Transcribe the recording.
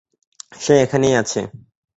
সে এখানেই আছে।